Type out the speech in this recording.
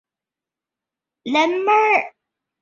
耿秉带他去拜见窦固。